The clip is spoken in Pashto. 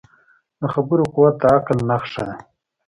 د خبرو قوت د عقل نښه ده